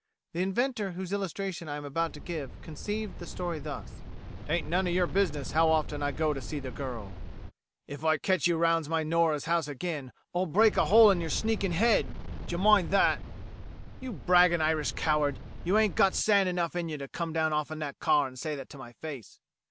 The inventor whose illustration I am about to give conceived the story thus: "'Taint none o' yer business how often I go to see the girl." "Ef Oi ketch yez around my Nora's house agin, Oi'll break a hole in yer shneakin' head, d'ye moind thot!" "You braggin' Irish coward, you haint got sand enough in you to come down off'n that car and say that to my face."